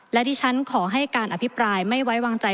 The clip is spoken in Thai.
และที่ฉันขอให้การอภิปรายไม่ไว้วางใจ